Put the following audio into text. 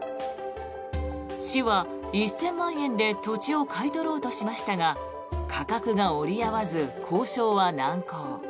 市は１０００万円で土地を買い取ろうとしましたが価格が折り合わず交渉は難航。